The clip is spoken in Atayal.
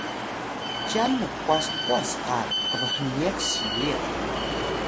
cyan mqwas qwas qa qbhniq siliq